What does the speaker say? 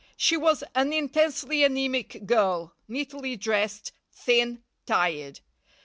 She was an intensely anæmic girl, neatly dressed, thin, tired.